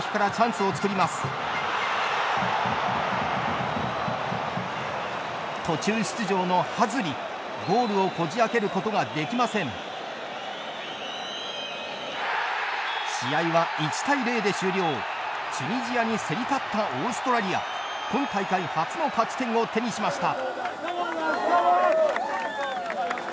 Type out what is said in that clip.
チュニジアに競り勝ったオーストラリア今大会初の勝ち点を手にしました。